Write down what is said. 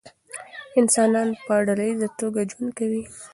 انسانان په ډله ایزه توګه ژوند کوي.